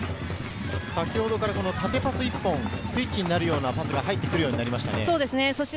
先ほどから縦パス１本、スイッチになるようなパスが入ってくるようになりました。